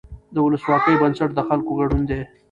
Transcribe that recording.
د ولسواکۍ بنسټ د خلکو ګډون دی